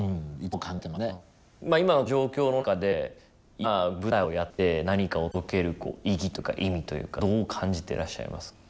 今のこの状況の中で今舞台をやって何かを届ける意義というか意味というかどう感じてらっしゃいますか？